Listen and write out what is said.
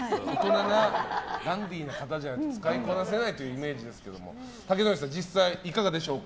ダンディーな方じゃないと使いこなせないイメージですけども竹野内さん実際にいかがでしょうか。